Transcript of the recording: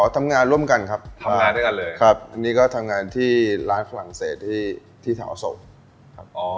ทำงานด้วยกันเลยครับนี่ก็ทำงานที่ร้านฝรั่งเศสที่ที่แถวอโสกครับ